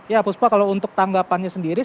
ya puspa kalau untuk tanggapannya sendiri